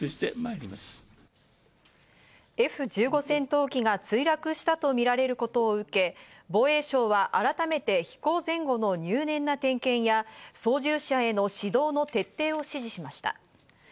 Ｆ１５戦闘機が墜落したとみられることを受け、防衛省は改めて飛行前後の入念な点検や、操縦者への指導の徹底を指示しました。